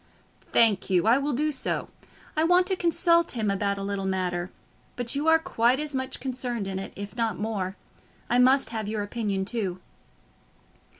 "Thank you; I will do so. I want to consult him about a little matter; but you are quite as much concerned in it, if not more. I must have your opinion too."